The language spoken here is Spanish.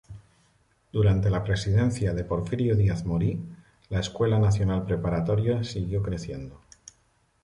Durante la presidencia de Porfirio Díaz Mori, la Escuela Nacional Preparatoria siguió creciendo.